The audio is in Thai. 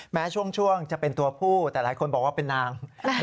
แม้ช่วงจะเป็นตัวผู้แต่หลายคนบอกว่าเป็นนาง